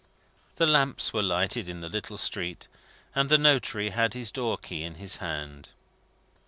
The lamps were lighted in the little street, and the notary had his door key in his hand.